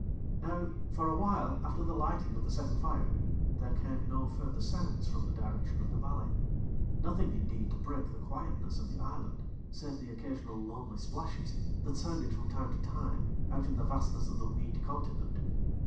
Now, for a while after the lighting of the second fire, there came no further sounds from the direction of the valley; nothing indeed to break the quietness of the island, save the occasional lonely splashes that sounded from time to time out in the vastness of the weed continent.